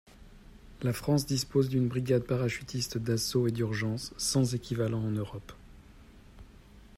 La France dispose d'une brigade parachutiste d'assaut et d'urgence sans équivalent en Europe.